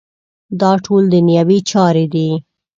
دا ټول دنیوي چارې دي.